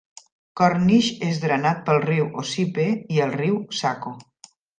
Cornish és drenat pel riu Ossipee i el riu Saco.